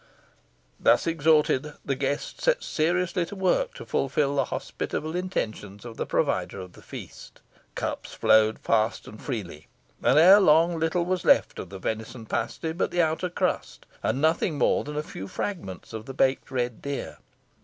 Thus exhorted, the guests set seriously to work to fulfil the hospitable intentions of the provider of the feast. Cups flowed fast and freely, and erelong little was left of the venison pasty but the outer crust, and nothing more than a few fragments of the baked red deer.